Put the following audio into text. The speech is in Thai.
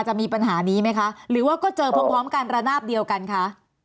จะมีปัญหานี้ไหมคะหรือว่าก็เจอพร้อมกันระนาบเดียวกันคะ